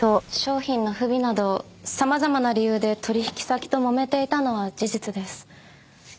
商品の不備など様々な理由で取引先ともめていたのは事実です。